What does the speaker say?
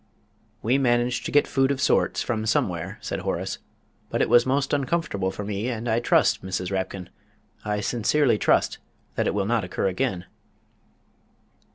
"We managed to get food of sorts from somewhere," said Horace, "but it was most uncomfortable for me, and I trust, Mrs. Rapkin I sincerely trust that it will not occur again."